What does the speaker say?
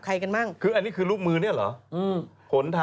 นี่ของส่งการนี้เป็นผูชา